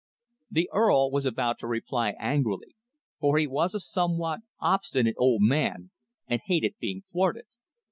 The Earl was about to reply angrily, for he was a somewhat obstinate old man, and hated being thwarted.